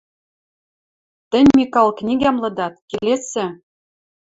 Тӹнь, Микал, книгӓм лыдат, келесӹ...